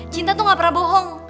cinta tuh gak pernah bohong